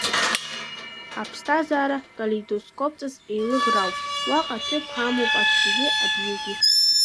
Аԥсҭазаара калеидоскопҵас еилыӷраауп, уаҟа аҭыԥ амоуп ацәгьагьы абзиагьы.